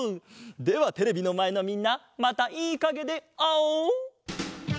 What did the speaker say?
ではテレビのまえのみんなまたいいかげであおう！